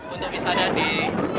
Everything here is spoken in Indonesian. untuk wisata di selatan